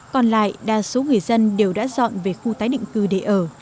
còn lại đa số người dân đều đã dọn về khu tái định cư để ở